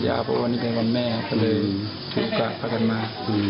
เพราะวันนี้เป็นวันแม่ก็เลยถูกจับพระกันมา